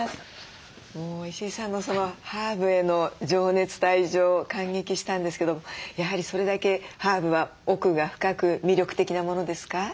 もう石井さんのハーブへの情熱と愛情感激したんですけどやはりそれだけハーブは奥が深く魅力的なものですか？